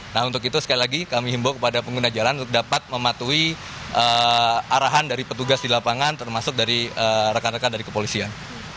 nah untuk itu sekali lagi kami himbau kepada pengguna jalan untuk dapat mematuhi arahan dari petugas di lapangan termasuk dari rekan rekan dari kepolisian